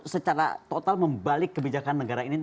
secara total membalik kebijakan negara ini